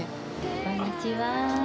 こんにちは。